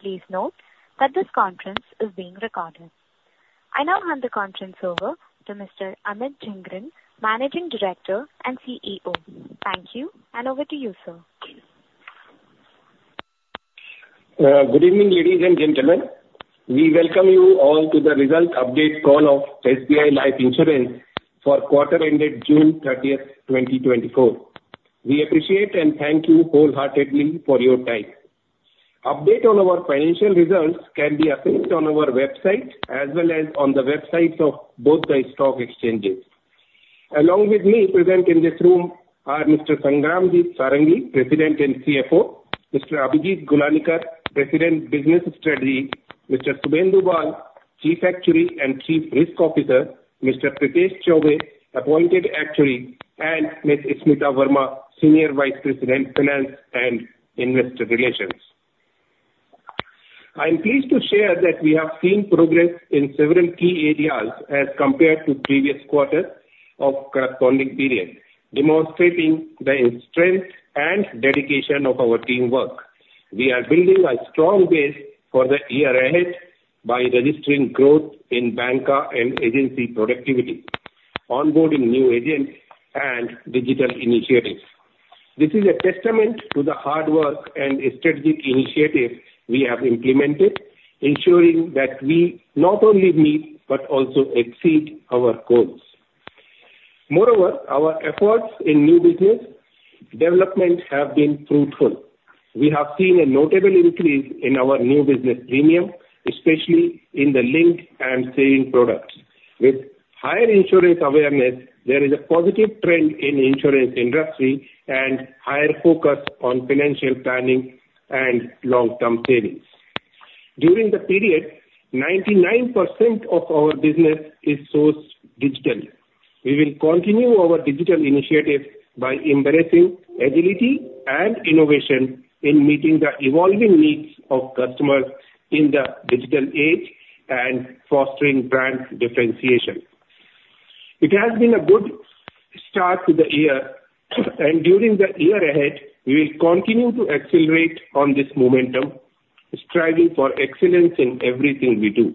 Please note that this conference is being recorded. I now hand the conference over to Mr. Amit Jhingran, Managing Director and CEO. Thank you, and over to you, sir. Good evening, ladies and gentlemen. We welcome you all to the Result Update Call of SBI Life Insurance for Quarter Ended June 30th, 2024. We appreciate and thank you wholeheartedly for your time. Update on our financial results can be obtained on our website, as well as on the websites of both the stock exchanges. Along with me, present in this room are Mr. Sangramjit Sarangi, President and CFO; Mr. Abhijit Gulanikar, President, Business Strategy; Mr. Subhendu Bal, Chief Actuary and Chief Risk Officer; Mr. Prithesh Chaubey, Appointed Actuary; and Miss Smita Verma, Senior Vice President, Finance and Investor Relations. I'm pleased to share that we have seen progress in several key areas as compared to previous quarters of corresponding period, demonstrating the strength and dedication of our teamwork. We are building a strong base for the year ahead by registering growth in bancassurance and agency productivity, onboarding new agents, and digital initiatives. This is a testament to the hard work and strategic initiatives we have implemented, ensuring that we not only meet but also exceed our goals. Moreover, our efforts in new business development have been fruitful. We have seen a notable increase in our new business premium, especially in the linked and saving products. With higher insurance awareness, there is a positive trend in insurance industry and higher focus on financial planning and long-term savings. During the period, 99% of our business is sourced digitally. We will continue our digital initiatives by embracing agility and innovation in meeting the evolving needs of customers in the digital age and fostering brand differentiation. It has been a good start to the year, and during the year ahead, we will continue to accelerate on this momentum, striving for excellence in everything we do.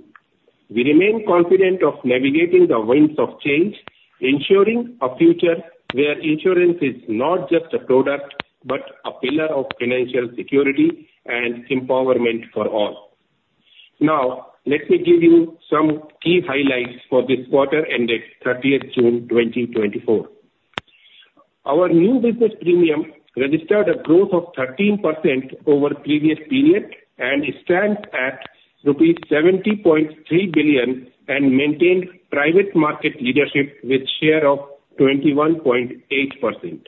We remain confident of navigating the winds of change, ensuring a future where insurance is not just a product, but a pillar of financial security and empowerment for all. Now, let me give you some key highlights for this quarter ended 30th June 2024. Our new business premium registered a growth of 13% over previous period and stands at rupees 70.3 billion and maintained private market leadership with share of 21.8%.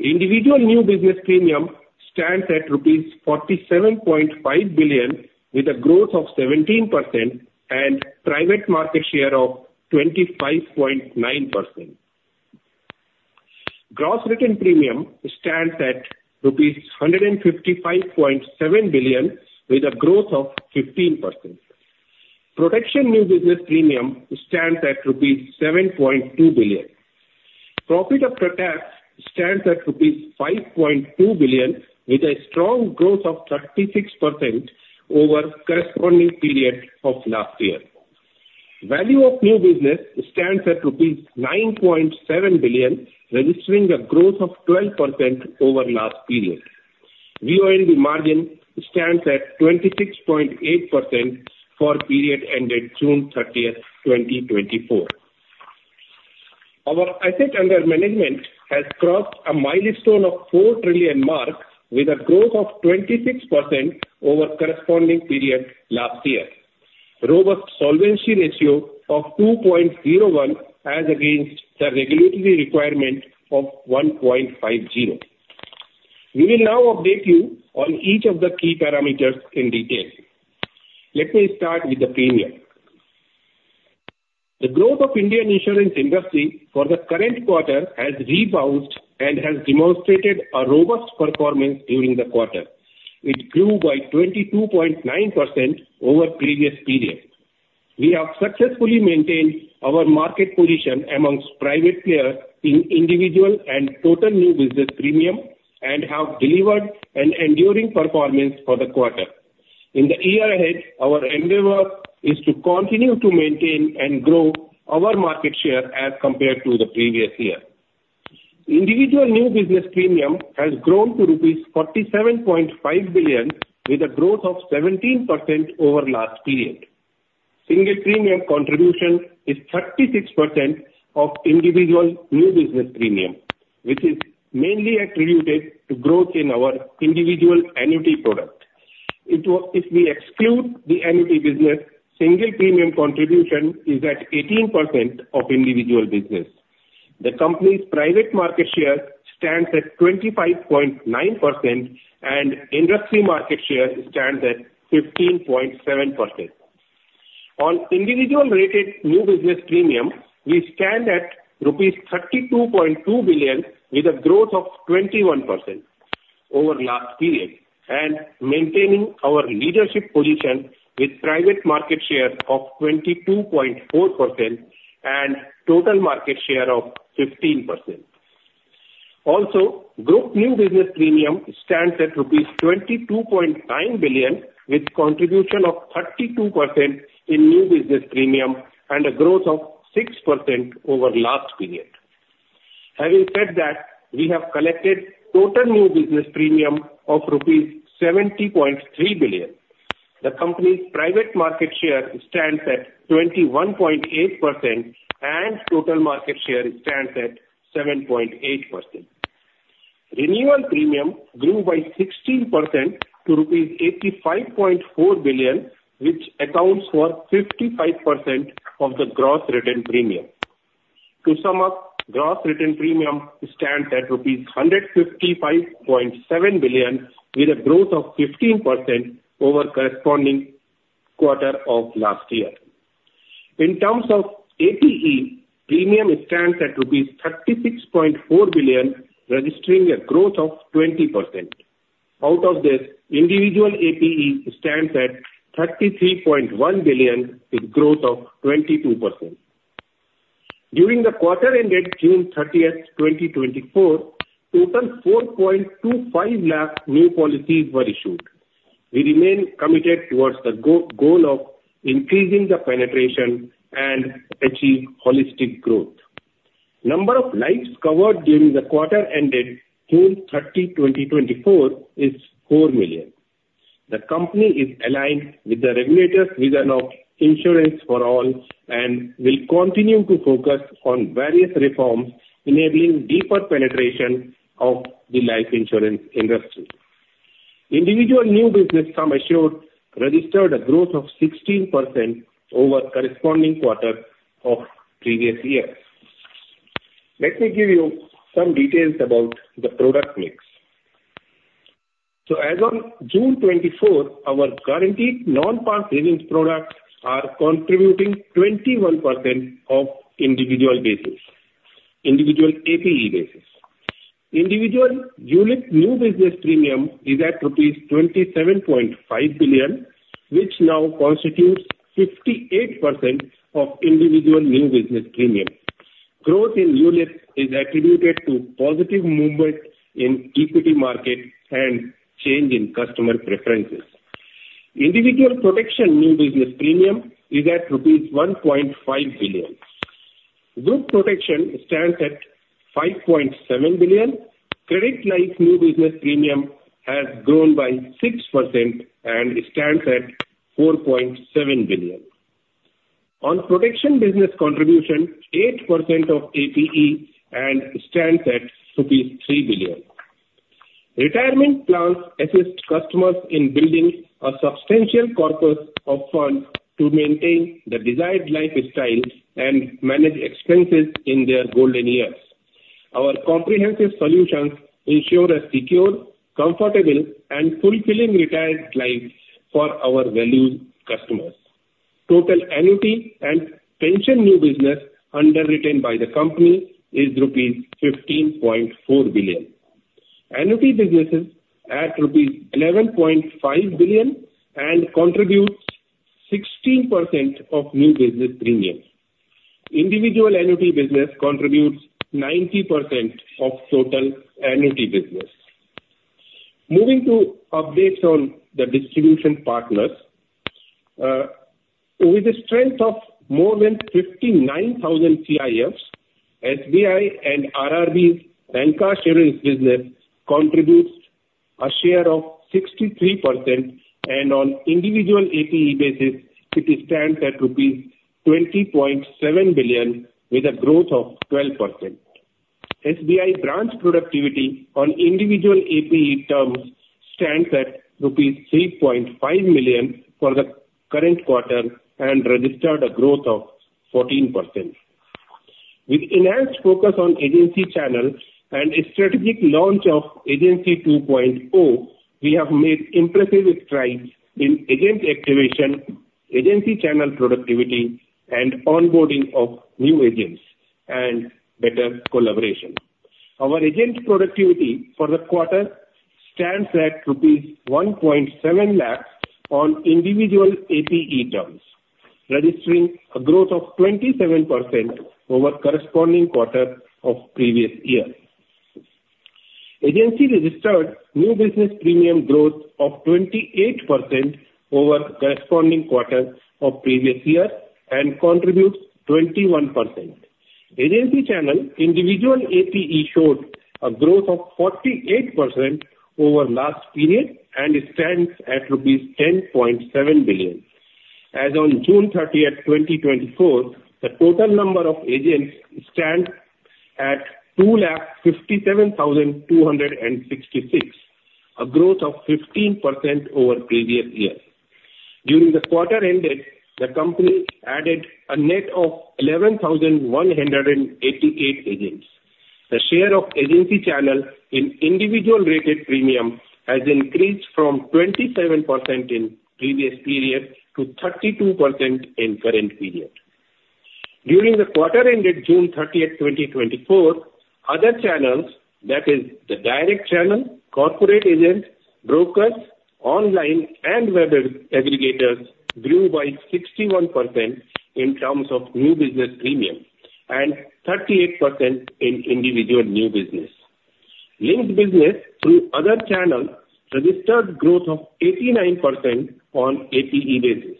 Individual new business premium stands at rupees 47.5 billion, with a growth of 17% and private market share of 25.9%. Gross Written Premium stands at rupees 155.7 billion, with a growth of 15%. Protection New Business Premium stands at rupees 7.2 billion. Profit after tax stands at rupees 5.2 billion, with a strong growth of 36% over corresponding period of last year. Value of New Business stands at rupees 9.7 billion, registering a growth of 12% over last period. VNB margin stands at 26.8% for period ended June 30th, 2024. Our assets under management has crossed a milestone of 4 trillion mark, with a growth of 26% over corresponding period last year. Robust solvency ratio of 2.01 as against the regulatory requirement of 1.50. We will now update you on each of the key parameters in detail. Let me start with the premium. The growth of Indian insurance industry for the current quarter has rebounded and has demonstrated a robust performance during the quarter. It grew by 22.9% over previous period. We have successfully maintained our market position among private players in individual and total new business premium, and have delivered an enduring performance for the quarter. In the year ahead, our endeavor is to continue to maintain and grow our market share as compared to the previous year. Individual new business premium has grown to rupees 47.5 billion, with a growth of 17% over last period. Single premium contribution is 36% of individual new business premium, which is mainly attributed to growth in our individual annuity product. If we exclude the annuity business, single premium contribution is at 18% of individual business. The company's private market share stands at 25.9%, and industry market share stands at 15.7%. On individual rated new business premium, we stand at rupees 32.2 billion, with a growth of 21% over last period, and maintaining our leadership position with private market share of 22.4% and total market share of 15%. Also, group new business premium stands at rupees 22.9 billion, with contribution of 32% in new business premium and a growth of 6% over last period. Having said that, we have collected total new business premium of rupees 70.3 billion. The company's private market share stands at 21.8%, and total market share stands at 7.8%. Renewal premium grew by 16% to rupees 85.4 billion, which accounts for 55% of the gross written premium. To sum up, gross written premium stands at rupees 155.7 billion, with a growth of 15% over corresponding quarter of last year. In terms of APE, premium stands at rupees 36.4 billion, registering a growth of 20%. Out of this, individual APE stands at 33.1 billion, with growth of 22%. During the quarter ended June 30th, 2024, total 4.25 lakh new policies were issued. We remain committed towards the goal of increasing the penetration and achieve holistic growth. Number of lives covered during the quarter ended June 30th, 2024 is 4 million. The company is aligned with the regulator's vision of insurance for all, and will continue to focus on various reforms enabling deeper penetration of the life insurance industry. Individual new business sum assured registered a growth of 16% over corresponding quarter of previous year. Let me give you some details about the product mix. So as on June 24th, our guaranteed Non-Par savings products are contributing 21% of individual business, individual APE basis. Individual unit new business premium is at rupees 27.5 billion, which now constitutes 58% of individual new business premium. Growth in units is attributed to positive movement in equity market and change in customer preferences. Individual protection new business premium is at rupees 1.5 billion. Group protection stands at 5.7 billion. Credit Life new business premium has grown by 6% and stands at 4.7 billion. On protection business contribution, 8% of APE and stands at rupees 3 billion. Retirement plans assist customers in building a substantial corpus of fund to maintain the desired lifestyle and manage expenses in their golden years. Our comprehensive solutions ensure a secure, comfortable, and fulfilling retired life for our valued customers. Total annuity and pension new business underwritten by the company is rupees 15.4 billion. Annuity businesses at rupees 11.5 billion and contributes 16% of new business premium. Individual annuity business contributes 90% of total annuity business. Moving to updates on the distribution partners. With a strength of more than 59,000 CIFs, SBI and RRB's Bancassurance business contributes a share of 63%, and on individual APE basis, it stands at rupees 20.7 billion with a growth of 12%. SBI branch productivity on individual APE terms stands at rupees 3.5 million for the current quarter and registered a growth of 14%. With enhanced focus on agency channels and a strategic launch of Agency 2.0, we have made impressive strides in agent activation, agency channel productivity, and onboarding of new agents, and better collaboration. Our agent productivity for the quarter stands at rupees 1.7 lakh on individual APE terms, registering a growth of 27% over corresponding quarter of previous year. Agency registered new business premium growth of 28% over corresponding quarter of previous year and contributes 21%. Agency channel individual APE showed a growth of 48% over last period, and it stands at rupees 10.7 billion. As on June 30th, 2024, the total number of agents stands at 257,266, a growth of 15% over previous year. During the quarter ended, the company added a net of 11,188 agents. The share of agency channel in individual rated premium has increased from 27% in previous period to 32% in current period. During the quarter ended June 30th, 2024, other channels, that is, the direct channel, corporate agents, brokers, online and web aggregators grew by 61% in terms of new business premium and 38% in individual new business. Linked business through other channels registered growth of 89% on APE basis.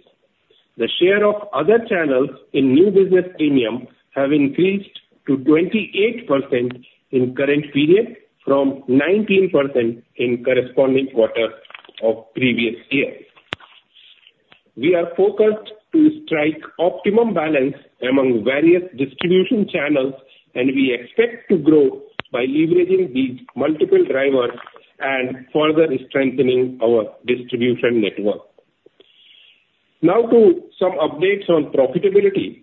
The share of other channels in new business premium have increased to 28% in current period, from 19% in corresponding quarter of previous year. We are focused to strike optimum balance among various distribution channels, and we expect to grow by leveraging these multiple drivers and further strengthening our distribution network. Now to some updates on profitability.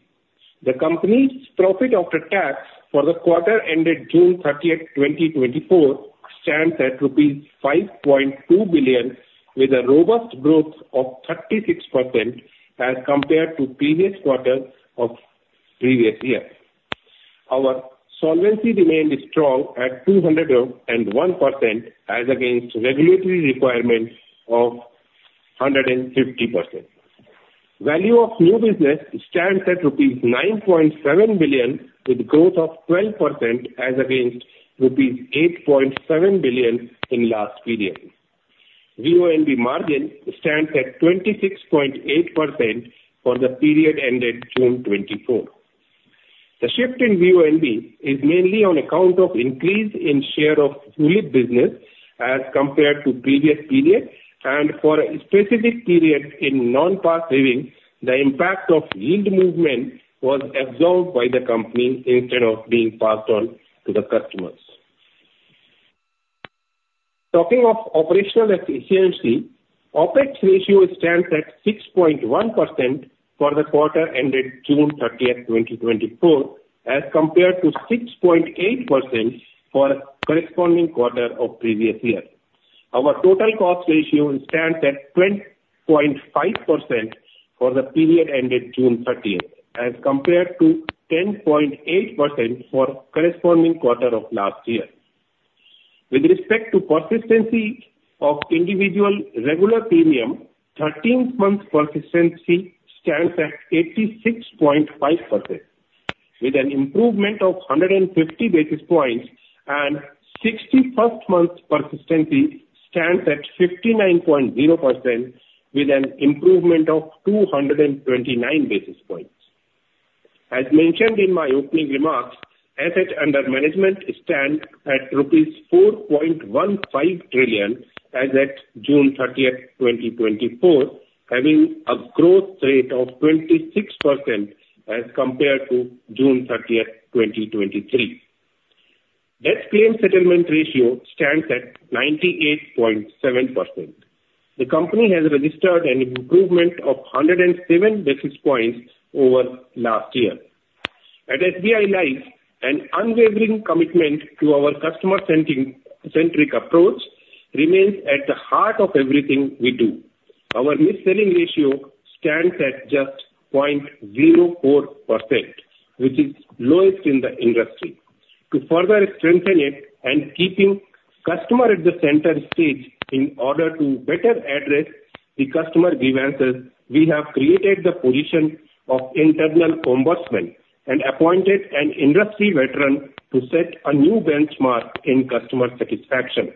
The company's profit after tax for the quarter ended June 30th, 2024, stands at rupees 5.2 billion, with a robust growth of 36% as compared to previous quarter of previous year. Our solvency remained strong at 201%, as against regulatory requirements of 150%. Value of New Business stands at rupees 9.7 billion, with growth of 12% as against rupees 8.7 billion in last period. VNB margin stands at 26.8% for the period ended June 2024. The shift in VNB is mainly on account of increase in share of new life business as compared to previous period, and for a specific period in Non-Par savings, the impact of yield movement was absorbed by the company instead of being passed on to the customers. Talking of operational efficiency, OpEx ratio stands at 6.1% for the quarter ended June 30th, 2024, as compared to 6.8% for corresponding quarter of previous year. Our total cost ratio stands at 10.5% for the period ended June 30th, as compared to 10.8% for corresponding quarter of last year. With respect to persistency of individual regular premium, 13-month persistency stands at 86.5%, with an improvement of 150 basis points, and 61st-month persistency stands at 59.0%, with an improvement of 229 basis points. As mentioned in my opening remarks, assets under management stand at rupees 4.15 trillion as at June 30th, 2024, having a growth rate of 26% as compared to June 30th, 2023. Death claim settlement ratio stands at 98.7%. The company has registered an improvement of 107 basis points over last year. At SBI Life, an unwavering commitment to our customer-centric approach remains at the heart of everything we do. Our mis-selling ratio stands at just 0.04%, which is lowest in the industry. To further strengthen it and keeping customer at the center stage in order to better address the customer grievances, we have created the position of internal ombudsman and appointed an industry veteran to set a new benchmark in customer satisfaction.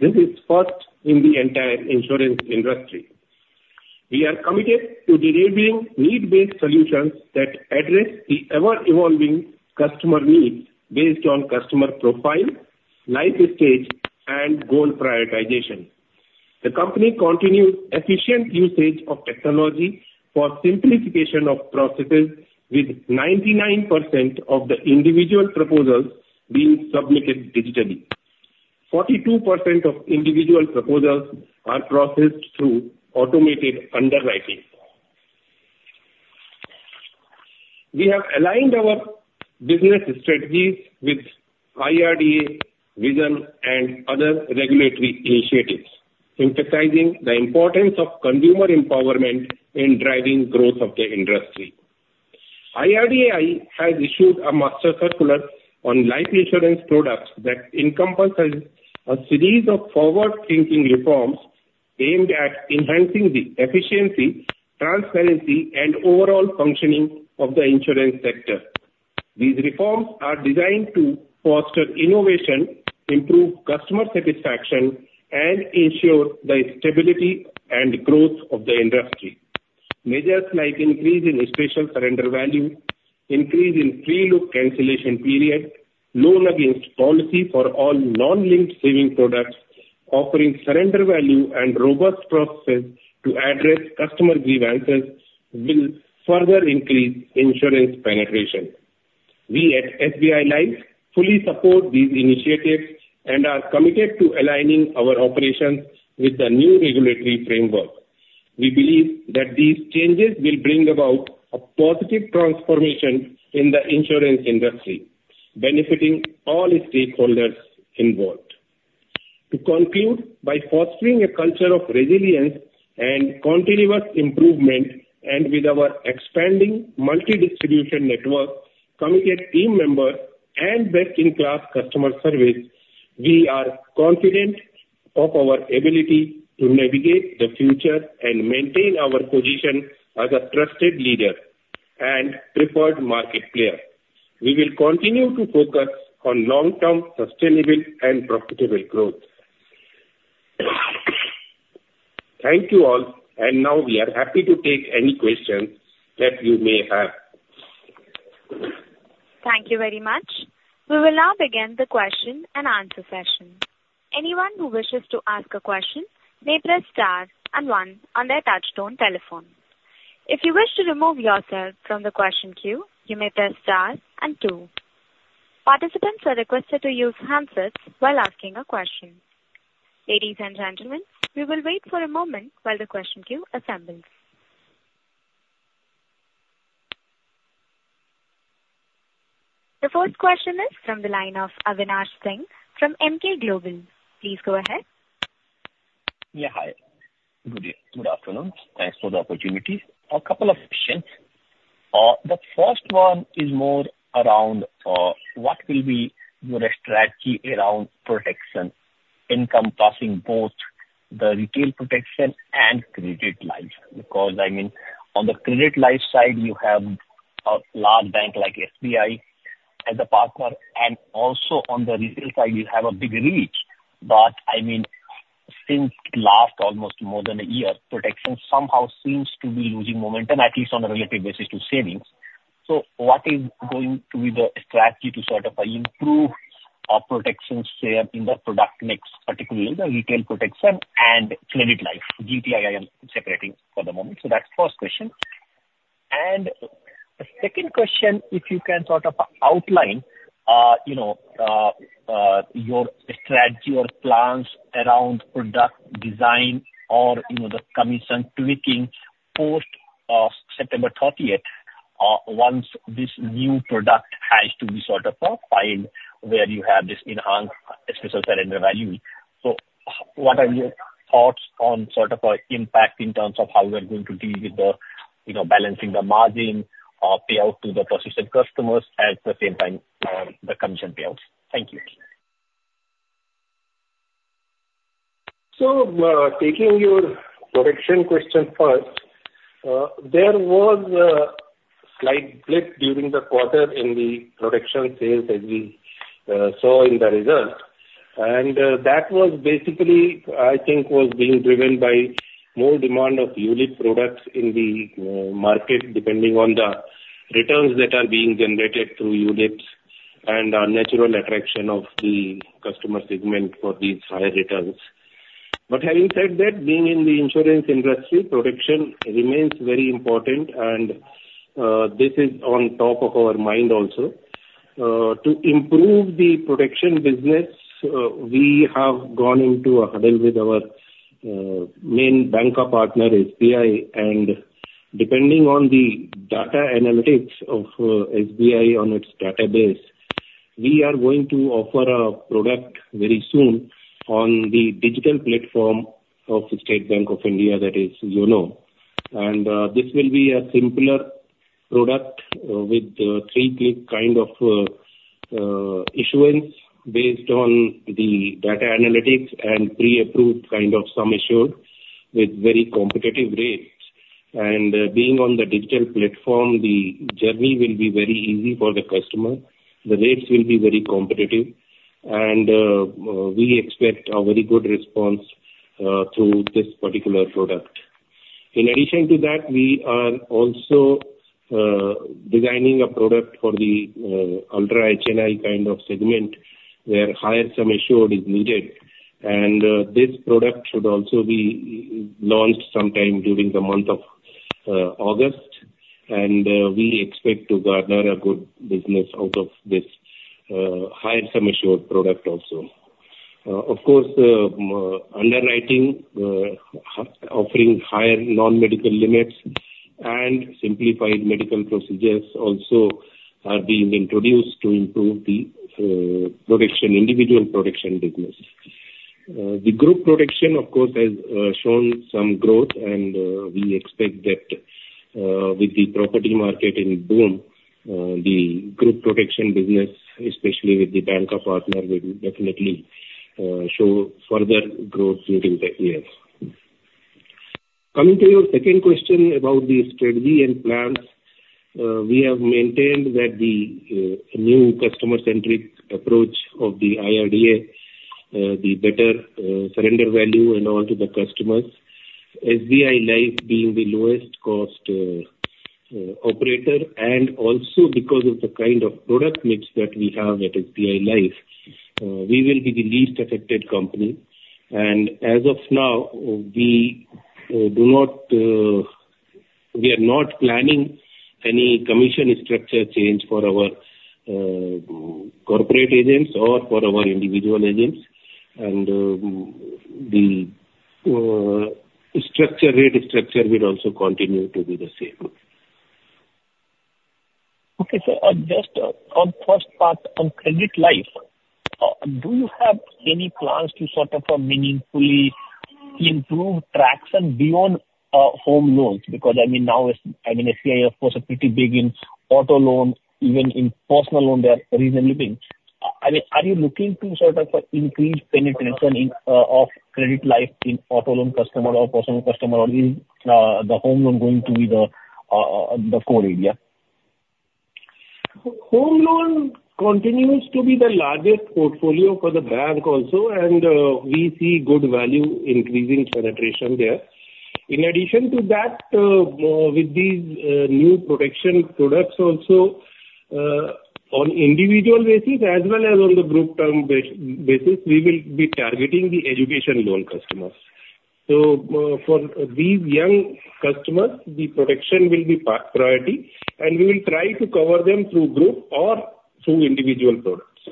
This is first in the entire insurance industry. We are committed to delivering need-based solutions that address the ever-evolving customer needs based on customer profile, life stage, and goal prioritization. The company continues efficient usage of technology for simplification of processes, with 99% of the individual proposals being submitted digitally. 42% of individual proposals are processed through automated underwriting. We have aligned our business strategies with IRDAI vision and other regulatory initiatives, emphasizing the importance of consumer empowerment in driving growth of the industry. IRDAI has issued a master circular on life insurance products that encompasses a series of forward-thinking reforms aimed at enhancing the efficiency, transparency, and overall functioning of the insurance sector. These reforms are designed to foster innovation, improve customer satisfaction, and ensure the stability and growth of the industry. Measures like increase in special surrender value, increase in free look cancellation period, loan against policy for all non-linked saving products, offering surrender value and robust processes to address customer grievances will further increase insurance penetration. We at SBI Life fully support these initiatives and are committed to aligning our operations with the new regulatory framework. We believe that these changes will bring about a positive transformation in the insurance industry, benefiting all stakeholders involved. To conclude, by fostering a culture of resilience and continuous improvement, and with our expanding multi-distribution network-... committed team members and best in class customer service, we are confident of our ability to navigate the future and maintain our position as a trusted leader and preferred market player. We will continue to focus on long-term sustainable and profitable growth. Thank you all. And now we are happy to take any questions that you may have. Thank you very much. We will now begin the question and answer session. Anyone who wishes to ask a question may press star and one on their touchtone telephone. If you wish to remove yourself from the question queue, you may press star and two. Participants are requested to use handsets while asking a question. Ladies and gentlemen, we will wait for a moment while the question queue assembles. The first question is from the line of Avinash Singh from Emkay Global. Please go ahead. Yeah, hi. Good day. Good afternoon. Thanks for the opportunity. A couple of questions. The first one is more around what will be your strategy around protection, encompassing both the retail protection and Credit Life? Because, I mean, on the Credit Life side, you have a large bank like SBI as a partner, and also on the retail side you have a big reach. But I mean, since last almost more than a year, protection somehow seems to be losing momentum, at least on a relative basis to savings. So what is going to be the strategy to sort of improve our protection share in the product mix, particularly the retail protection and Credit Life? GTI. I am separating for the moment. So that's first question. The second question, if you can sort of outline, you know, your strategy or plans around product design or, you know, the commission tweaking post, September thirtieth, once this new product has to be sort of, filed, where you have this enhanced special surrender value. What are your thoughts on sort of, impact in terms of how we are going to deal with the, you know, balancing the margin, payout to the persistent customers, at the same time, the commission payouts? Thank you. So, taking your protection question first, there was a slight blip during the quarter in the protection sales, as we saw in the results. That was basically, I think, was being driven by more demand of unit products in the market, depending on the returns that are being generated through units and a natural attraction of the customer segment for these higher returns. But having said that, being in the insurance industry, protection remains very important and this is on top of our mind also. To improve the protection business, we have gone into a huddle with our main banker partner, SBI, and depending on the data analytics of SBI on its database, we are going to offer a product very soon on the digital platform of the State Bank of India, that is YONO. This will be a simpler product with a three-click kind of issuance based on the data analytics and pre-approved kind of sum assured, with very competitive rates. Being on the digital platform, the journey will be very easy for the customer. The rates will be very competitive, and we expect a very good response through this particular product. In addition to that, we are also designing a product for the ultra HNI kind of segment, where higher sum assured is needed. This product should also be launched sometime during the month of August. We expect to garner a good business out of this higher sum assured product also. Of course, underwriting offering higher non-medical limits and simplified medical procedures also are being introduced to improve the individual protection business. The group protection, of course, has shown some growth, and we expect that with the property market in boom, the group protection business, especially with the banker partner, will definitely show further growth during the years. Coming to your second question about the strategy and plans. We have maintained that the new customer-centric approach of the IRDAI, the better surrender value and all to the customers. SBI Life being the lowest cost operator, and also because of the kind of product mix that we have at SBI Life, we will be the least affected company. As of now, we do not, we are not planning any commission structure change for our corporate agents or for our individual agents. The rate structure will also continue to be the same. Okay, so, just on first part, on Credit Life. Do you have any plans to sort of, meaningfully improve traction beyond, home loans? Because, I mean, now it's, I mean, ICICI, of course, are pretty big in auto loans, even in personal loan they have recently been. I mean, are you looking to sort of, increase penetration in, of Credit Life in auto loan customer or personal customer, or is, the home loan going to be the, the core area? Home loan continues to be the largest portfolio for the bank also, and we see good value in increasing penetration there. In addition to that, with these new protection products also on individual basis as well as on the group term basis, we will be targeting the education loan customers. So, for these young customers, the protection will be priority, and we will try to cover them through group or through individual products.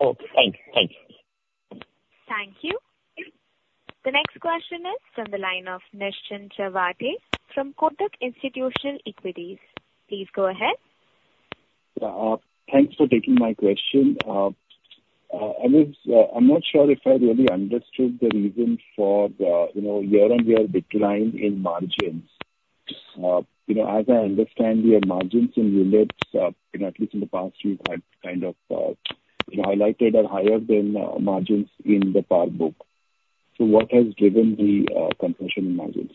Okay, thank you. Thank you. Thank you. The next question is from the line of Nischint Chawathe from Kotak Institutional Equities. Please go ahead. Yeah, thanks for taking my question. Anuj, I'm not sure if I really understood the reason for the, you know, year-on-year decline in margins. You know, as I understand, your margins in units, you know, at least in the past, you've had kind of, highlighted are higher than, margins in the par book. So what has driven the, compression in margins?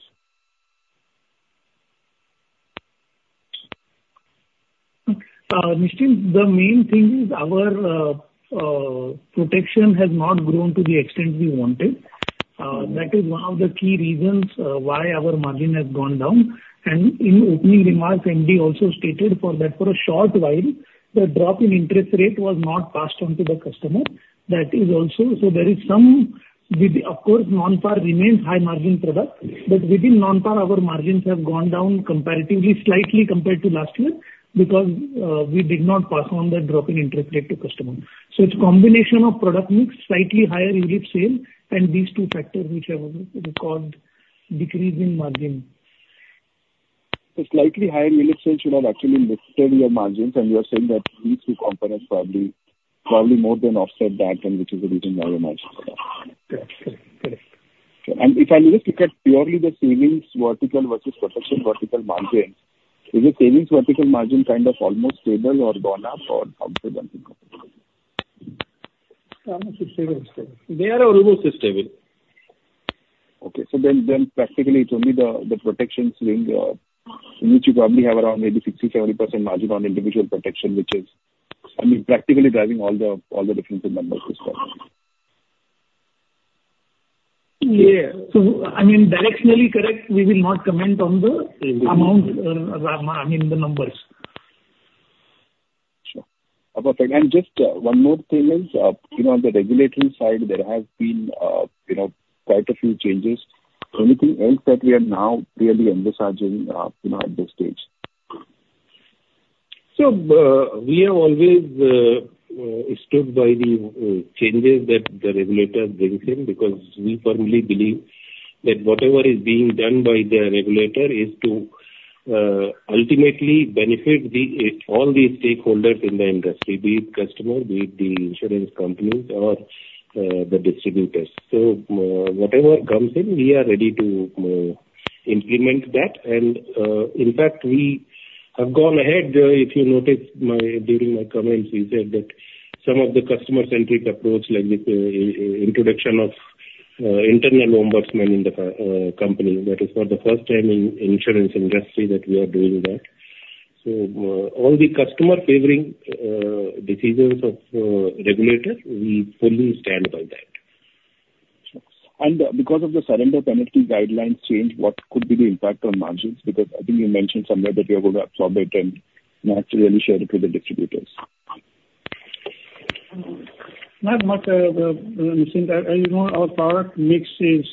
Nischint, the main thing is our protection has not grown to the extent we wanted. That is one of the key reasons why our margin has gone down. And in opening remarks, MD also stated for that for a short while, the drop in interest rate was not passed on to the customer. That is also... So there is some, with the, of course, Non-Par remains high margin product, but within Non-Par our margins have gone down comparatively, slightly compared to last year, because we did not pass on the drop in interest rate to customer. So it's a combination of product mix, slightly higher unit sale, and these two factors which have record decrease in margin. Slightly higher unit sales should have actually lifted your margins, and you are saying that these two components probably more than offset that, and which is the reason why your margins are down. Correct. Correct. If I look at purely the savings vertical versus protection vertical margins, is the savings vertical margin kind of almost stable or gone up or how is it going? It's stable. They are a little stable. Okay. So then, then practically it's only the protection stream in which you probably have around maybe 60%-70% margin on individual protection, which is, I mean, practically driving all the difference in numbers this quarter. Yeah. So, I mean, directionally correct, we will not comment on the amount, I mean, the numbers. Sure. Okay, and just, one more thing is, you know, on the regulatory side, there have been, you know, quite a few changes. Anything else that we are now really emphasizing, you know, at this stage? So, we have always stood by the changes that the regulator brings in, because we firmly believe that whatever is being done by the regulator is to ultimately benefit all the stakeholders in the industry, be it customer, be it the insurance companies or the distributors. So, whatever comes in, we are ready to implement that. And, in fact, we have gone ahead, if you noticed, during my comments, we said that some of the customer-centric approach, like the introduction of internal ombudsman in the company, that is for the first time in insurance industry that we are doing that. So, all the customer-favoring decisions of regulator, we fully stand by that. Sure. And, because of the surrender penalty guidelines change, what could be the impact on margins? Because I think you mentioned somewhere that you're going to absorb it and not really share it with the distributors. Not much, Nischint. As you know, our product mix is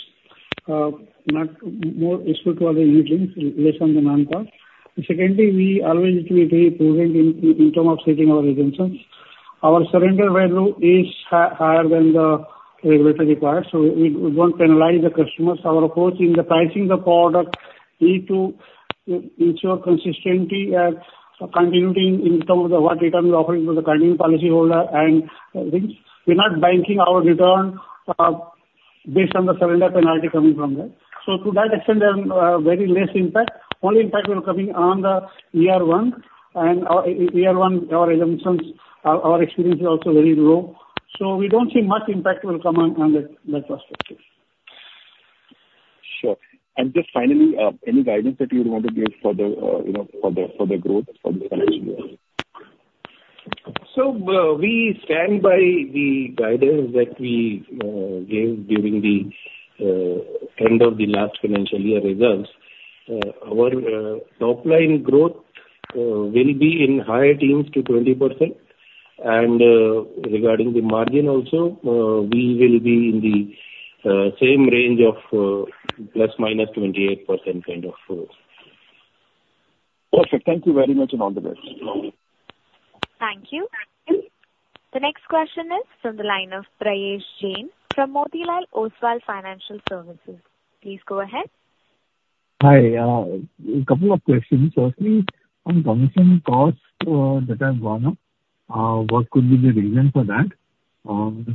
not more exposed to other units, less on the Non-Par. Secondly, we always, in terms of setting our assumptions, our surrender value is higher than the regulatory required, so we don't penalize the customers. Our approach in the pricing the product need to ensure consistency and continuing in terms of what return we're offering to the current policyholder, and we're not banking our return based on the surrender penalty coming from that. So to that extent, there is very less impact. Only impact will be coming on the year one, and year one, our assumptions, our experience is also very low. So we don't see much impact will come on the first quarter. Sure. And just finally, any guidance that you would want to give for the, you know, growth for this financial year? We stand by the guidance that we gave during the end of the last financial year results. Our top line growth will be in high teens-20%. Regarding the margin also, we will be in the same range of ±28% kind of... Perfect. Thank you very much, and all the best. Thank you. The next question is from the line of Prayesh Jain, from Motilal Oswal Financial Services. Please go ahead. Hi, a couple of questions. Firstly, on commission costs that have gone up, what could be the reason for that?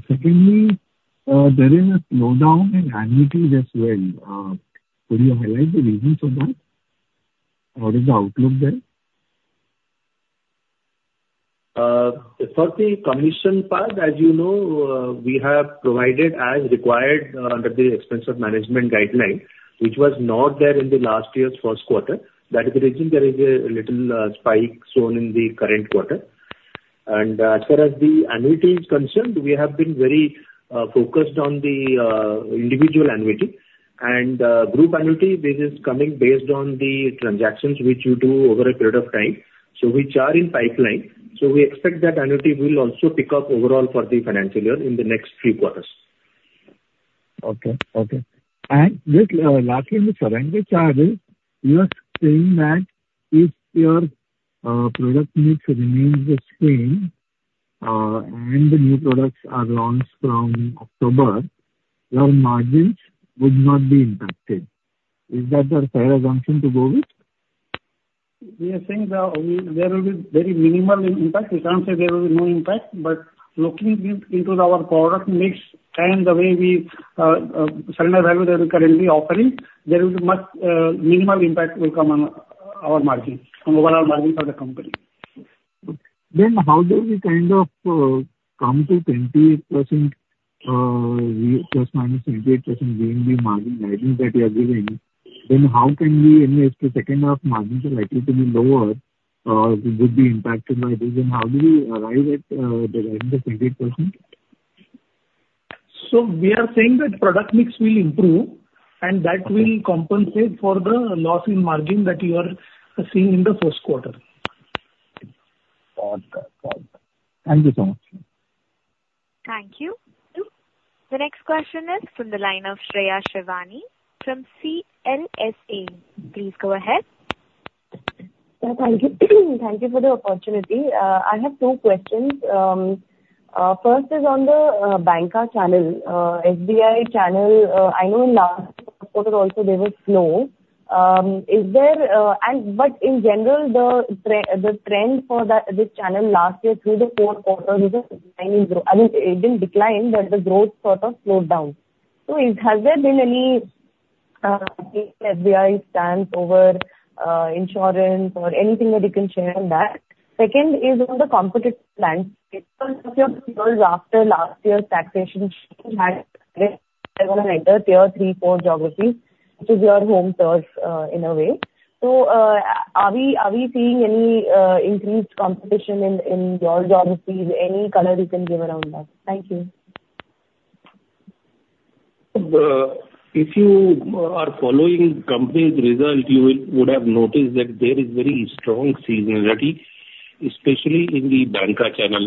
Secondly, there is a slowdown in annuity as well. Could you highlight the reasons for that? What is the outlook there? For the commission part, as you know, we have provided as required under the Expenses of Management guideline, which was not there in the last year's first quarter. That is the reason there is a little spike shown in the current quarter. As far as the annuity is concerned, we have been very focused on the individual annuity. Group annuity, this is coming based on the transactions which you do over a period of time, so which are in pipeline. We expect that annuity will also pick up overall for the financial year in the next few quarters. Okay. Okay. And this, lastly, in the surrender charge, you are saying that if your product mix remains the same, and the new products are launched from October, your margins would not be impacted. Is that the fair assumption to go with? We are saying that there will be very minimal impact. We can't say there will be no impact. But looking into our product mix and the way we surrender value that we're currently offering, there will be much minimal impact will come on our margin, on overall margin for the company. Then how do we kind of come to 20%, ±28% being the margin guidance that you are giving? Then how can we invest to second half margins are likely to be lower, it would be impacted by this. Then how do we arrive at the 20%? We are saying that product mix will improve, and that will compensate for the loss in margin that you are seeing in the first quarter. Got that. Got that. Thank you so much. Thank you. The next question is from the line of Shreya Shivani from CLSA. Please go ahead. Yeah, thank you. Thank you for the opportunity. I have two questions. First is on the banca channel, SBI channel. I know in last quarter also there was slow. Is there... And but in general, the trend for this channel last year through the four quarters was a declining growth. I mean, it didn't decline, but the growth sort of slowed down. So is, has there been any SBI stance over insurance or anything that you can share on that? Second is on the competitive landscape. After last year's taxation scheme had enter tier three, four geographies, which is your home turf, in a way. So, are we seeing any increased competition in your geographies? Any color you can give around that? Thank you. If you are following company's result, you would have noticed that there is very strong seasonality, especially in the banca channel.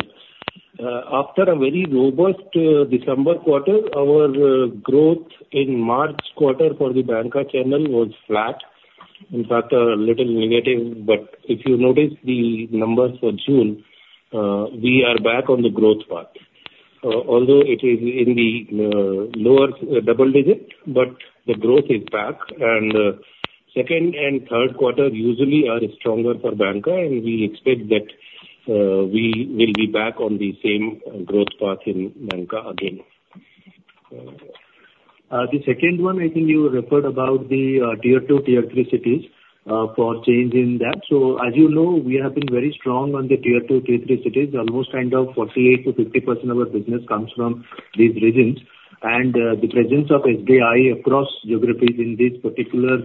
After a very robust December quarter, our growth in March quarter for the banca channel was flat, in fact, a little negative. But if you notice the numbers for June, we are back on the growth path. Although it is in the lower double digit, but the growth is back, and second and third quarter usually are stronger for banca, and we expect that we will be back on the same growth path in banca again. The second one, I think you referred about the tier two, tier three cities for change in that. So as you know, we have been very strong on the tier two, tier three cities. Almost kind of 48%-50% of our business comes from these regions. The presence of SBI across geographies in these particular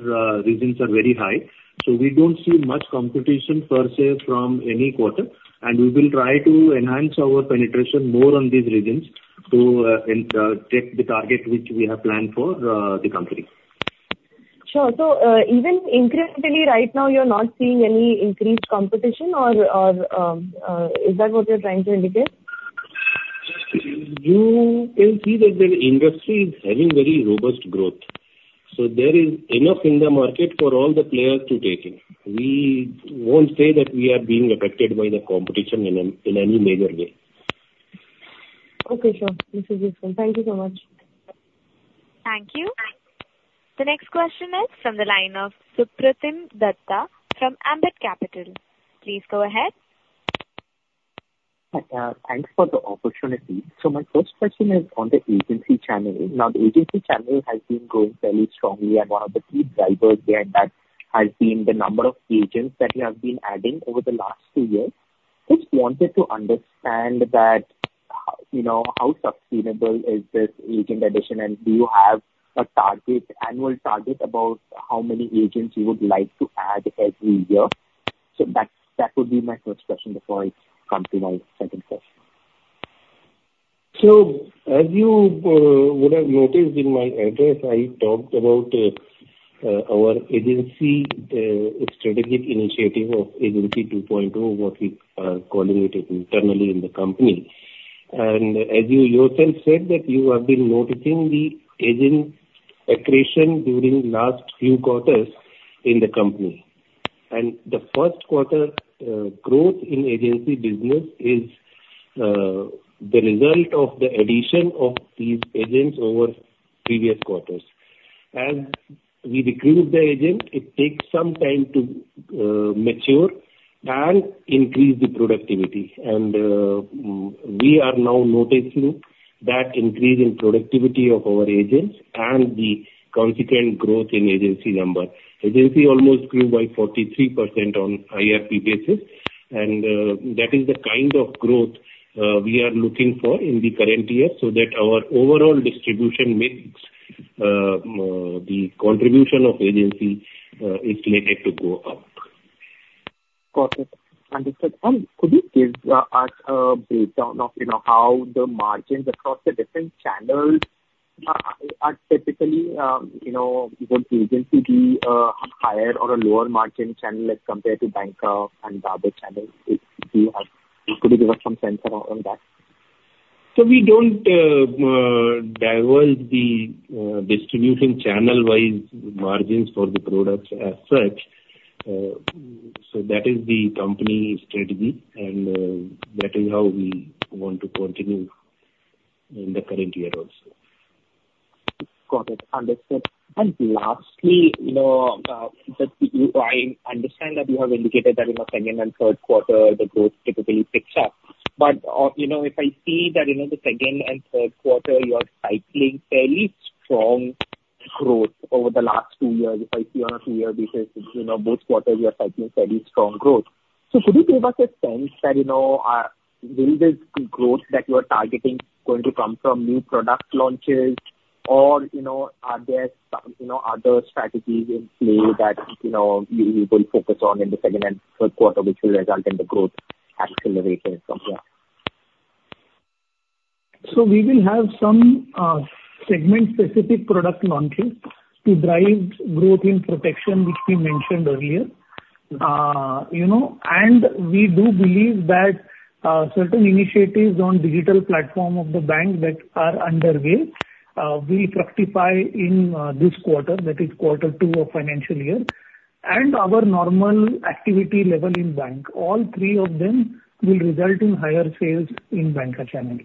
regions are very high. We don't see much competition per se from any quarter, and we will try to enhance our penetration more on these regions to take the target which we have planned for the company. Sure. So, even incrementally right now, you're not seeing any increased competition or is that what you're trying to indicate? You can see that the industry is having very robust growth, so there is enough in the market for all the players to take in. We won't say that we are being affected by the competition in any major way. Okay, sure. This is useful. Thank you so much. Thank you. The next question is from the line of Supratim Datta from Ambit Capital. Please go ahead. Hi, thanks for the opportunity. So my first question is on the agency channel. Now, the agency channel has been growing fairly strongly and one of the key drivers there that has been the number of agents that you have been adding over the last two years. Just wanted to understand that, you know, how sustainable is this agent addition, and do you have a target, annual target about how many agents you would like to add every year? So that, that would be my first question before I come to my second question. So as you would have noticed in my address, I talked about our agency strategic initiative of Agency 2.0, what we are calling it internally in the company. And as you yourself said, that you have been noticing the agent accretion during last few quarters in the company... and the first quarter growth in agency business is the result of the addition of these agents over previous quarters. As we recruit the agent, it takes some time to mature and increase the productivity, and we are now noticing that increase in productivity of our agents and the consequent growth in agency number. Agency almost grew by 43% on IRP basis, and that is the kind of growth we are looking for in the current year, so that our overall distribution mix, the contribution of agency, is likely to go up. Got it. Understood. And could you give us a breakdown of, you know, how the margins across the different channels are typically, you know, would agency be a higher or a lower margin channel as compared to Bancassurance and the other channels, if you have—could you give us some sense around that? So we don't divulge the distribution channel-wise margins for the products as such. So that is the company strategy, and that is how we want to continue in the current year also. Got it. Understood. And lastly, you know, I understand that you have indicated that in the second and third quarter, the growth typically picks up. But, you know, if I see that, you know, the second and third quarter, you are cycling fairly strong growth over the last two years. If I see on a two-year basis, you know, both quarters you are cycling fairly strong growth. So could you give us a sense that, you know, are, will this growth that you are targeting going to come from new product launches? Or, you know, are there some, you know, other strategies in play that, you know, you will focus on in the second and third quarter, which will result in the growth accelerating from here? So we will have some segment-specific product launches to drive growth in protection, which we mentioned earlier. You know, and we do believe that certain initiatives on digital platform of the bank that are underway will fructify in this quarter, that is quarter two of financial year, and our normal activity level in bank. All three of them will result in higher sales in Bancassurance channel.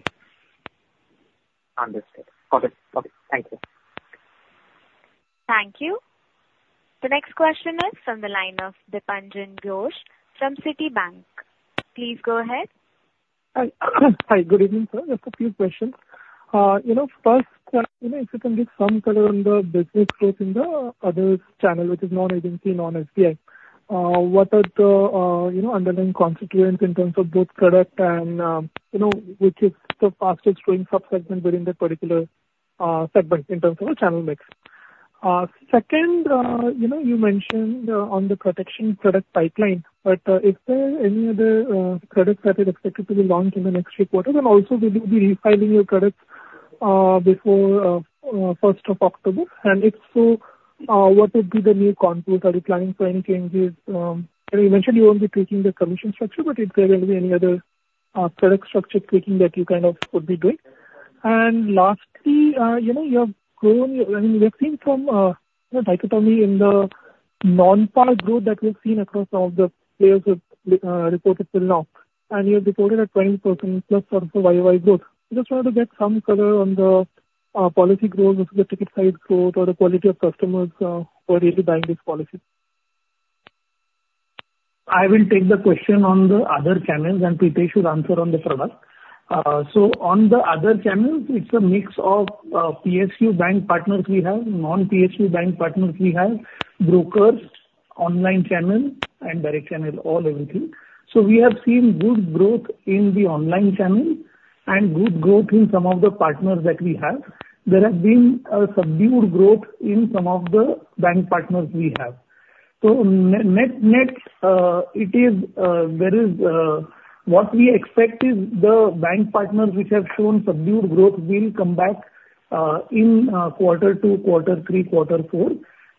Understood. Okay. Okay, thank you. Thank you. The next question is from the line of Dipanjan Ghosh from Citibank. Please go ahead. Hi. Hi, good evening, sir. Just a few questions. You know, first, you know, if you can give some color on the business growth in the other channel, which is non-agency, non-SBI. What are the, you know, underlying constituents in terms of both product and, you know, which is the fastest growing sub-segment within that particular segment in terms of the channel mix? Second, you know, you mentioned on the protection product pipeline, but is there any other product that is expected to be launched in the next few quarters? And also, will you be refiling your products before first of October? And if so, what would be the new compost? Are you planning for any changes, and you mentioned you won't be tweaking the commission structure, but if there will be any other, product structure tweaking that you kind of could be doing. And lastly, you know, you have grown, I mean, we've seen from, you know, dichotomy in the Non-Par growth that we've seen across some of the players with, reported till now, and you've reported a 20% plus sort of a YoY growth. I just wanted to get some color on the, policy growth versus the ticket size growth or the quality of customers, who are really buying this policy. I will take the question on the other channels, and Prithesh should answer on the product. So on the other channels, it's a mix of PSU bank partners we have, non-PSU bank partners we have, brokers, online channel and direct channel, all everything. So we have seen good growth in the online channel and good growth in some of the partners that we have. There has been a subdued growth in some of the bank partners we have. So net-net. What we expect is the bank partners which have shown subdued growth will come back in quarter two, quarter three, quarter four,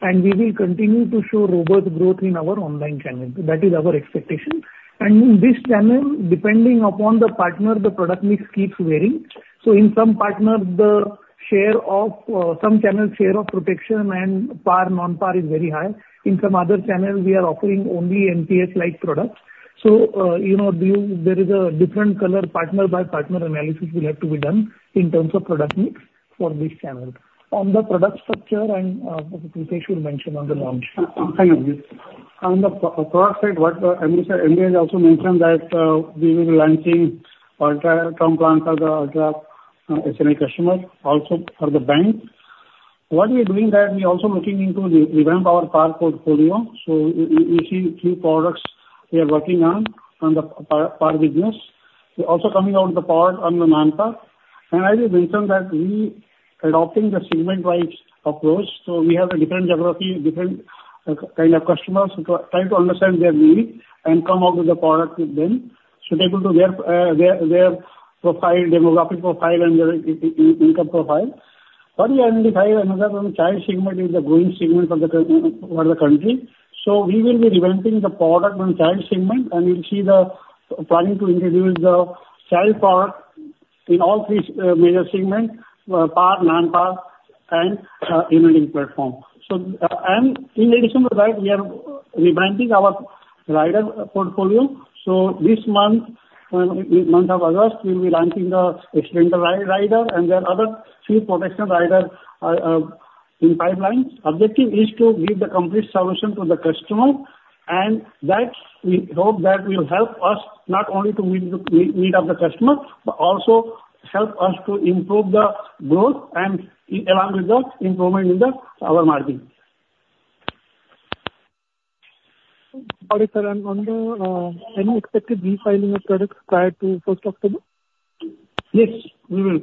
and we will continue to show robust growth in our online channels. That is our expectation. And in this channel, depending upon the partner, the product mix keeps varying. So in some partners, the share of some channels share of protection and Par/Non-Par is very high. In some other channels, we are offering only NPS-like products. So, you know, there is a different color partner by partner analysis will have to be done in terms of product mix for this channel. On the product structure and, Prithesh should mention on the launch. On the protection product side, what, I mean, sir, MJ also mentioned that, we will be launching our term plans for our SME customers, also for the bank. What we are doing that we're also looking into reinvent our PAR portfolio. So we see few products we are working on, on the Par business. We're also coming out the Par on the Non-Par. And I will mention that we adopting the segment-wide approach, so we have a different geography, different kind of customers, to try to understand their needs and come up with a product with them, suitable to their profile, demographic profile, and their income profile. But we are identifying another one child segment is a growing segment for the company, for the country. So we will be reinventing the product on child segment, and we'll see the planning to introduce the child par in all three major segments, Par, Non-Par and ULIP platform. And in addition to that, we are rebranding our rider portfolio. So this month, in the month of August, we'll be launching the critical rider and then other three protection rider in pipeline. Objective is to give the complete solution to the customer, and that's, we hope that will help us not only to meet the need of the customer, but also help us to improve the growth, and along with that, improvement in our margin. Got it, sir. And on the any expected refiling of products prior to first October? Yes, we will.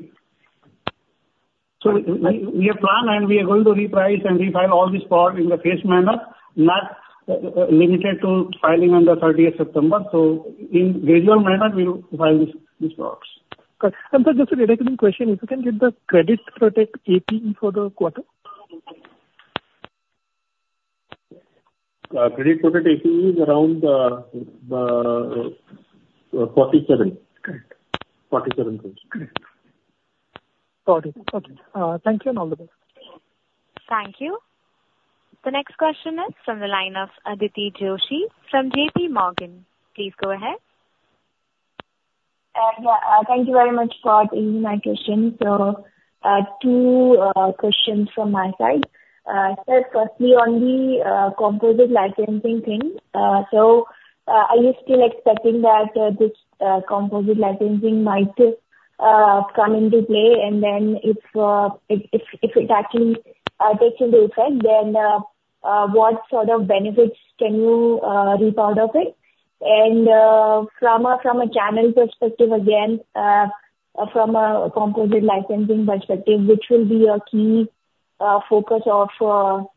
So we have planned, and we are going to reprice and refile all this product in a gradual manner, not limited to filing on the thirtieth September. So in gradual manner, we will file these, these products. Good. Sir, just a related question, if you can give the Credit Protect APE for the quarter? Credit Protect APE is around 47. Correct. 47%. Correct. Got it. Okay. Thank you and all the best. Thank you. The next question is from the line of Aditi Joshi from JPMorgan. Please go ahead. Yeah, thank you very much for taking my question. So, two questions from my side. Sir, firstly on the composite licensing thing, so, are you still expecting that this composite licensing might come into play? And then if it actually takes into effect, then what sort of benefits can you reap out of it? And from a channel perspective, again, from a composite licensing perspective, which will be a key focus of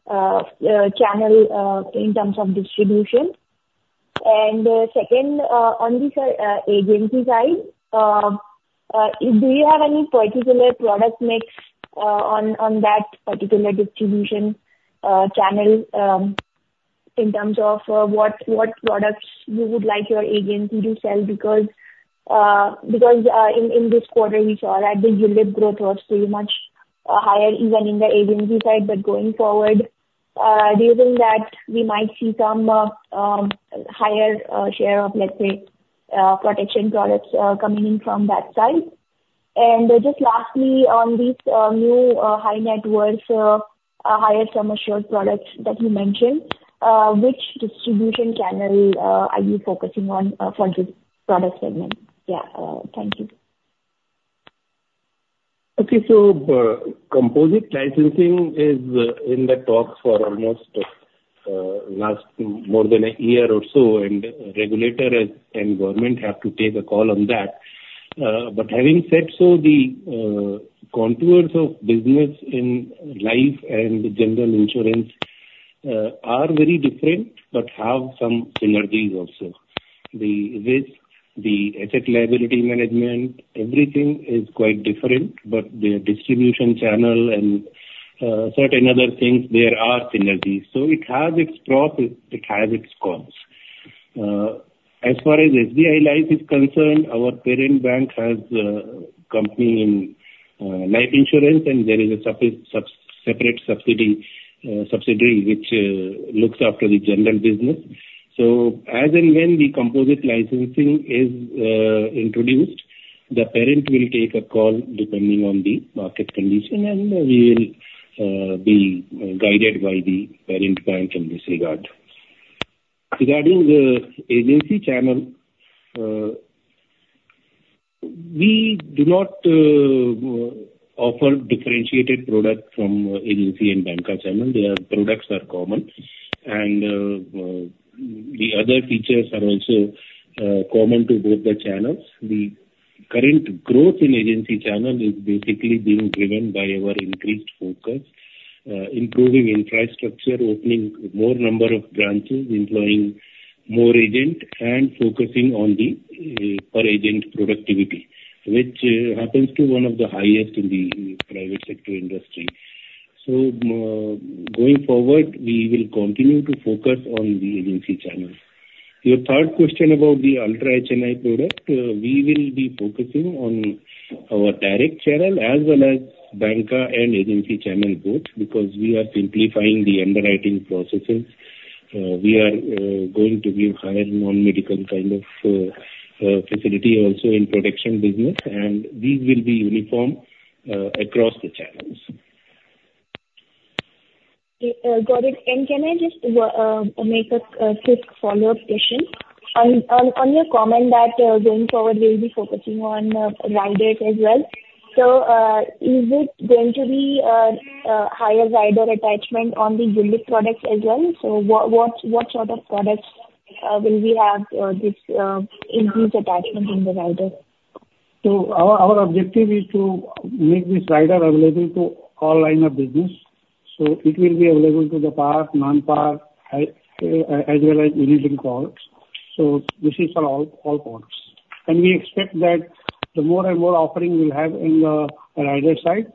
channel in terms of distribution. And second, on the agency side, do you have any particular product mix on that particular distribution channel in terms of what products you would like your agency to sell? Because in this quarter, we saw that the ULIP growth was pretty much higher even in the agency side. But going forward, do you think that we might see some higher share of, let's say, protection products coming in from that side? And just lastly, on these new high net worth higher sum assured products that you mentioned, which distribution channel are you focusing on for this product segment? Yeah, thank you. Okay. So, composite licensing is in the talks for almost last more than a year or so, and regulator and government have to take a call on that. But having said so, the contours of business in life and general insurance are very different, but have some synergies also. The risk, the asset liability management, everything is quite different, but the distribution channel and certain other things, there are synergies. So it has its pros, it has its cons. As far as SBI Life is concerned, our parent bank has company in life insurance, and there is a separate subsidiary which looks after the general business. So as and when the composite licensing is introduced, the parent will take a call depending on the market condition, and we will be guided by the parent bank in this regarding. Regarding the agency channel, we do not offer differentiated product from agency and banca channel. Their products are common, and the other features are also common to both the channels. The current growth in agency channel is basically being driven by our increased focus, improving infrastructure, opening more number of branches, employing more agent, and focusing on the per-agent productivity, which happens to be one of the highest in the private sector industry. So, going forward, we will continue to focus on the agency channel. Your third question about the ultra HNI product, we will be focusing on our direct channel as well as banca and agency channel both, because we are simplifying the underwriting processes. We are going to give higher non-medical kind of facility also in protection business, and these will be uniform across the channels. Okay, got it. Can I just make a quick follow-up question? On your comment that going forward, we'll be focusing on riders as well. So, is it going to be a higher rider attachment on the ULIP products as well? So what sort of products will we have this increased attachment in the rider? Our objective is to make this rider available to all lines of business, so it will be available to the Par, Non-Par as well as products. This is for all products. We expect that the more and more offerings we'll have in the rider side,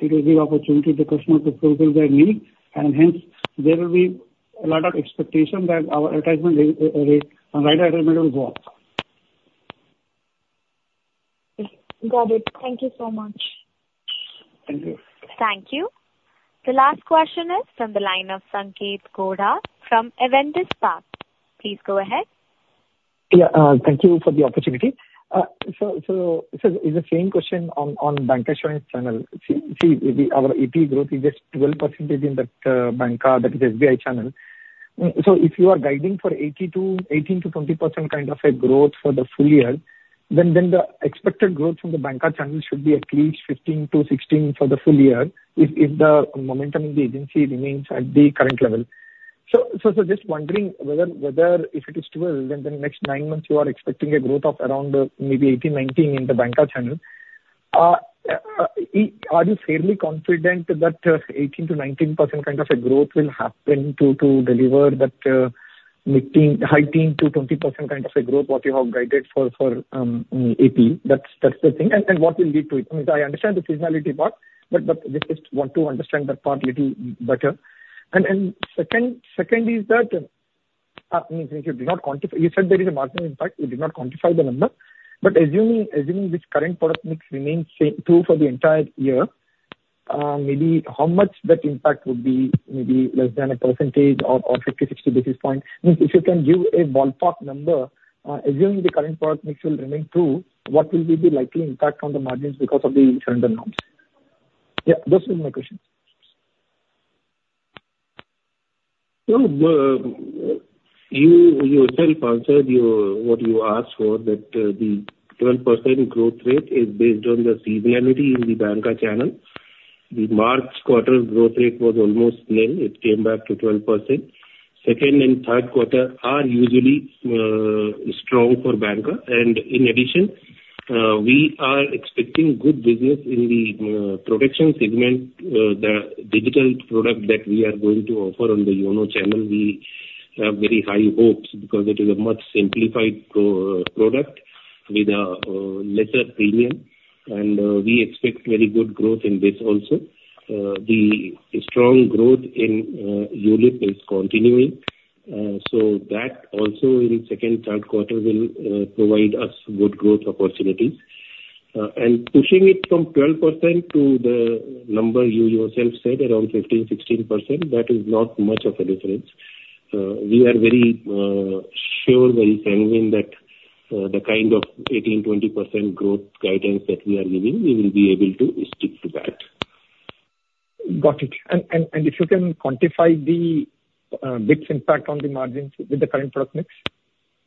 it will give opportunity to the customer to fulfill their need, and hence there will be a lot of expectation that our rider attachment will go up. Got it. Thank you so much. Thank you. Thank you. The last question is from the line of Sanketh Godha from Avendus Spark. Please go ahead. Yeah, thank you for the opportunity. So it's the same question on the bancassurance channel. See, our AP growth is just 12% in that banca, that is SBI channel. So if you are guiding for 18%-20% kind of a growth for the full year, then the expected growth from the banca channel should be at least 15%-16% for the full year if the momentum in the agency remains at the current level. So just wondering whether if it is 12, then the next nine months you are expecting a growth of around maybe 18-19 in the banca channel. Are you fairly confident that 18%-19% kind of a growth will happen to deliver that mid-teen, high-teen to 20% kind of a growth what you have guided for, for AP? That's the thing, and what will lead to it? I understand the seasonality part, but just want to understand that part little better. Second is that, if you do not quantify. You said there is a marginal impact, you did not quantify the number. But assuming this current product mix remains same, true for the entire year, maybe how much that impact would be, maybe less than a percentage or 50-60 basis points? Means if you can give a ballpark number, assuming the current product mix will remain true, what will be the likely impact on the margins because of the surrender norms? Yeah, those are my questions. Well, you still answered what you asked for, that the 12% growth rate is based on the seasonality in the banca channel. The March quarter growth rate was almost nil. It came back to 12%. Second and third quarter are usually strong for banca, and in addition, we are expecting good business in the protection segment. The digital product that we are going to offer on the YONO channel, we have very high hopes because it is a much simplified product with a lesser premium, and we expect very good growth in this also. The strong growth in ULIP is continuing, so that also in second, third quarter will provide us good growth opportunities. Pushing it from 12% to the number you yourself said, around 15%-16%, that is not much of a difference. We are very sure, very sanguine that the kind of 18%- 20% growth guidance that we are giving, we will be able to stick to that. Got it. And if you can quantify the this impact on the margins with the current product mix?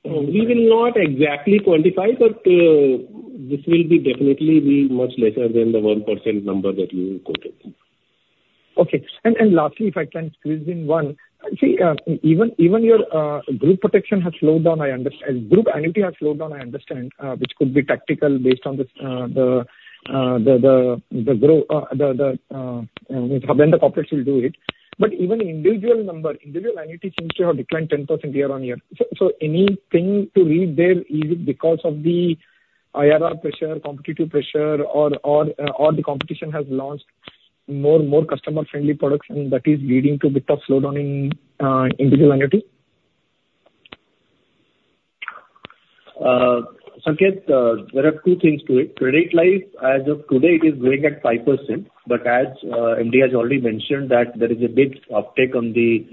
We will not exactly quantify, but this will definitely be much lesser than the 1% number that you quoted. Okay. And lastly, if I can squeeze in one. See, even your group protection has slowed down, group annuity has slowed down, I understand, which could be tactical based on the growth when the corporates will do it. But even individual number, individual annuity seems to have declined 10% year-on-year. So, anything to read there, is it because of the IRR pressure, competitive pressure, or the competition has launched more customer-friendly products and that is leading to a bit of slowdown in individual annuity? Sanketh, there are two things to it. Credit Life, as of today, it is growing at 5%. But as MD has already mentioned, that there is a big uptick on the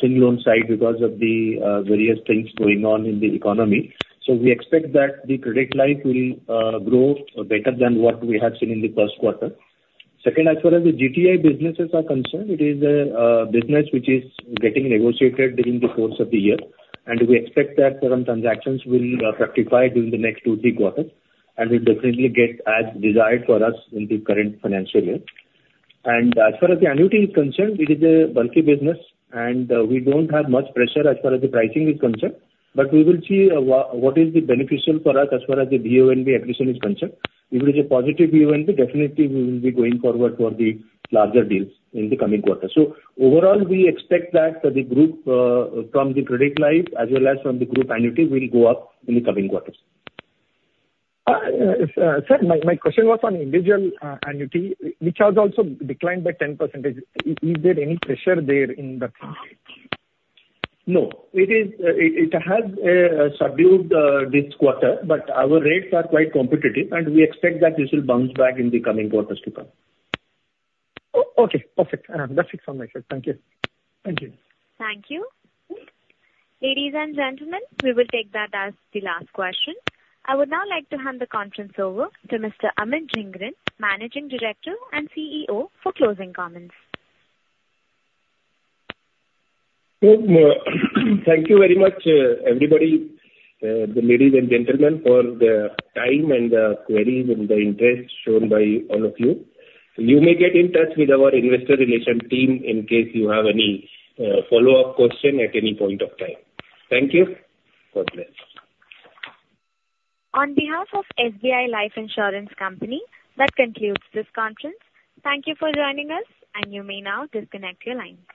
single loan side because of the various things going on in the economy. So we expect that the Credit Life will grow better than what we have seen in the first quarter. Second, as far as the GTI businesses are concerned, it is a business which is getting negotiated during the course of the year, and we expect that some transactions will fructify during the next two, three quarters, and we definitely get as desired for us in the current financial year. And as far as the annuity is concerned, it is a bulky business, and we don't have much pressure as far as the pricing is concerned, but we will see what is the beneficial for us as far as the VNB acquisition is concerned. If it is a positive VNB, definitely we will be going forward for the larger deals in the coming quarter. So overall, we expect that the group, from the Credit Life as well as from the group annuity, will go up in the coming quarters. Sir, my question was on individual annuity, which has also declined by 10%. Is there any pressure there in that space? No, it has a subdued this quarter, but our rates are quite competitive, and we expect that this will bounce back in the coming quarters to come. Okay, perfect. That's it from my side. Thank you. Thank you. Thank you. Ladies and gentlemen, we will take that as the last question. I would now like to hand the conference over to Mr. Amit Jhingran, Managing Director and CEO, for closing comments. Good, thank you very much, everybody, the ladies and gentlemen, for the time and the queries and the interest shown by all of you. You may get in touch with our Investor Relation team in case you have any, follow-up question at any point of time. Thank you. God bless. On behalf of SBI Life Insurance Company, that concludes this conference. Thank you for joining us, and you may now disconnect your lines.